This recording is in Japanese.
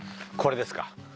これですか？